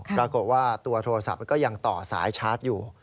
ปรากฏว่าตัวโทรศัพท์ก็ยังต่อสายชาร์จอยู่